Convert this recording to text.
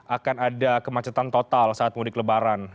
akan ada kemacetan total saat mudik lebaran